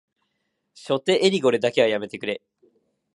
常識は個人的経験の結果でなく、社会的経験の結果である。